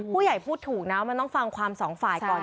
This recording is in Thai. พูดถูกนะมันต้องฟังความสองฝ่ายก่อน